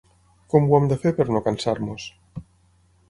Com ho hem de fer per no cansar-nos?